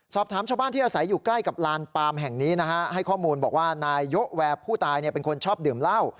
ชาวบ้านที่อาศัยอยู่ใกล้กับลานปามแห่งนี้นะฮะให้ข้อมูลบอกว่านายโยะแวร์ผู้ตายเป็นคนชอบดื่มเหล้า